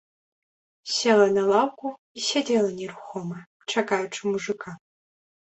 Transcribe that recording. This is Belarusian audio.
Села на лаўку і сядзела нерухома, чакаючы мужыка.